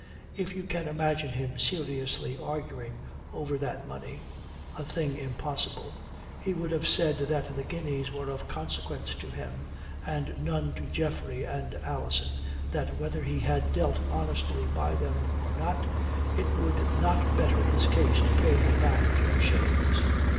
If you can imagine him seriously arguing over that money a thing impossible he would have said that the guineas were of consequence to him and none to Geoffrey and Alison, that whether he had dealt honestly by them or not, it would not better his case to pay them back a few shillings.